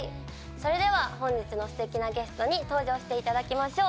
それでは本日のステキなゲストに登場していただきましょう。